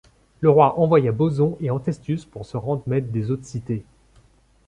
Le roi envoya Boson et Antestius pour se rendre maîtres des autres cités.